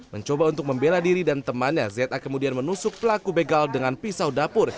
mencoba untuk membela diri dan temannya za kemudian menusuk pelaku begal dengan pisau dapur